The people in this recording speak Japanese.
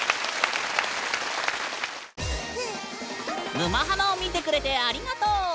「沼ハマ」を見てくれてありがとう！